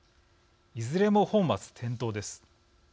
いずれも本末転倒です。